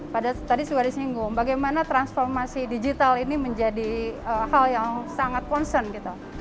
pada tadi sudah disinggung bagaimana transformasi digital ini menjadi hal yang sangat concern gitu